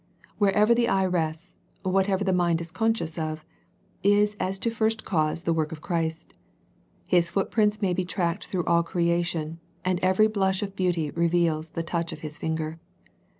Wherever the eye rests, whatever the mind is conscious of, is as to first cause the work of Christ. His footprints may be tracked through all creation, and every blush of beauty reveals the touch of His finger.